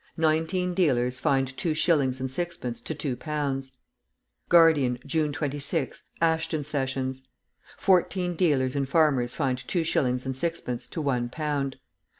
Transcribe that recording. Nineteen dealers fined two shillings and sixpence to two pounds. Guardian, June 26, Ashton Sessions. Fourteen dealers and farmers fined two shillings and sixpence to one pound.